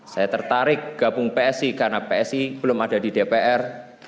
saya tertarik gabung psi karena psi belum ada di dpr